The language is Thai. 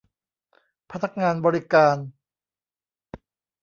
พนักงานบริการ